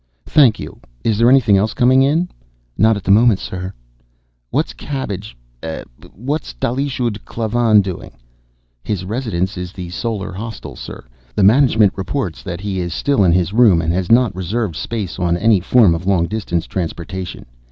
"Thank you. Is there anything else coming in?" "Not at the moment, sir." "What's " Cabbage. "What's Dalish ud Klavan doing?" "His residence is the Solar Hostel, sir. The management reports that he is still in his room, and has not reserved space on any form of long distance transportation.